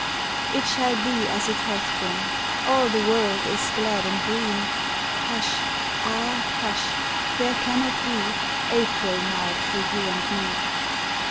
It shall be as it hath been. All the world is glad and green Hush! Ah, hush! There cannot be April now for you and me.